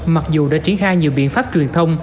mặc dù đã triển khai nhiều biện pháp truyền thông